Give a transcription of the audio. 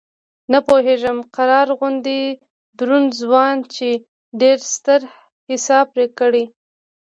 نه پوهېږم قرار غوندې دروند ځوان چې ډېر ستر حساب پرې کړی.